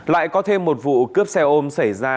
lại có thêm một vụ cướp xe ôm xảy ra